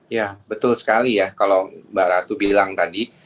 ya betul sekali ya kalau mbak ratu bilang tadi